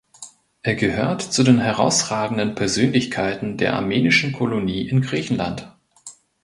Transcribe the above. Er gehört zu den herausragenden Persönlichkeiten der armenischen Kolonie in Griechenland.